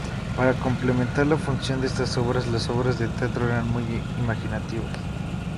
Para complementar la función de estas obras, las obras de teatro eran muy imaginativas.